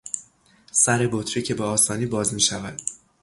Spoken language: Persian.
سر بطری که به آسانی باز میشود